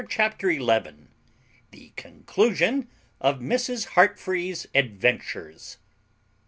CHAPTER ELEVEN THE CONCLUSION OF MRS. HEARTFREE'S ADVENTURES.